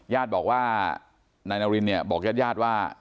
ญาติบอกว่านายนารินบอกญาติว่า